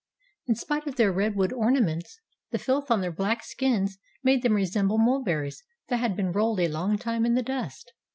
In spite of their redwood ornaments, the filth on their black skins made them resemble mulberries that had been rolled a long time in the dust.